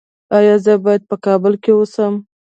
ایا زه باید په کابل کې اوسم؟